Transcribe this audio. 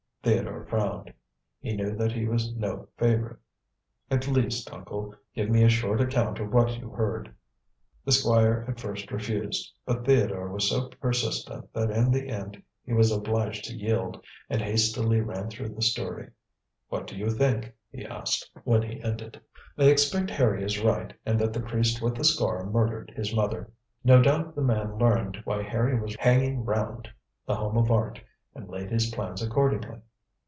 Theodore frowned. He knew that he was no favourite. "At least, uncle, give me a short account of what you heard." The Squire at first refused, but Theodore was so persistent that in the end he was obliged to yield, and hastily ran through the story. "What do you think?" he asked, when he ended. "I expect Harry is right, and that the priest with the scar murdered his mother. No doubt the man learned why Harry was hanging round the Home of Art and laid his plans accordingly."